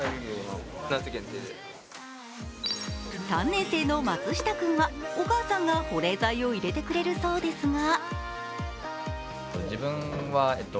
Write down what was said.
３年生の松下君はお母さんが保冷剤を入れてくれるそうですが。